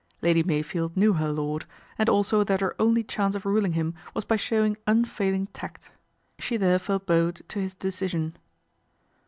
Lady Mey Jield knew her lord, and also that her only chance of ruling him was by showing unfailing tact. She :herefore bowed to his decision.